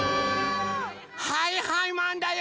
はいはいマンだよ！